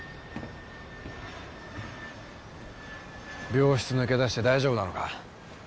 病室抜け出して大丈夫なのか？